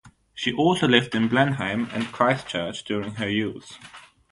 She also lived in Blenheim and Christchurch during her youth.